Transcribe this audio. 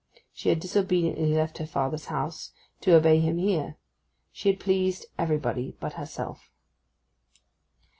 She had disobediently left her father's house, to obey him here. She had pleased everybody but herself.